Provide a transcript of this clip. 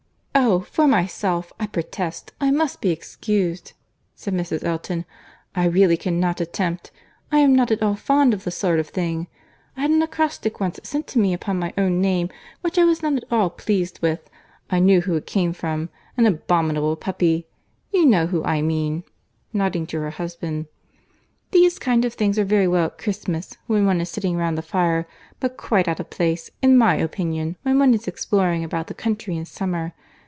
"Oh! for myself, I protest I must be excused," said Mrs. Elton; "I really cannot attempt—I am not at all fond of the sort of thing. I had an acrostic once sent to me upon my own name, which I was not at all pleased with. I knew who it came from. An abominable puppy!—You know who I mean (nodding to her husband). These kind of things are very well at Christmas, when one is sitting round the fire; but quite out of place, in my opinion, when one is exploring about the country in summer.